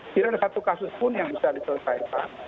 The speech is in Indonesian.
tidak ada satu kasus pun yang bisa diselesaikan